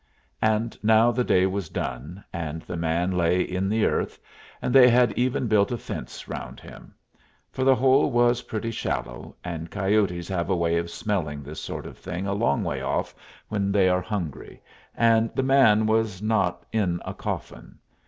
And now the day was done, and the man lay in the earth, and they had even built a fence round him; for the hole was pretty shallow, and coyotes have a way of smelling this sort of thing a long way off when they are hungry, and the man was not in a coffin.